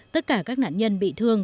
tất cả các nạn nhân bị thương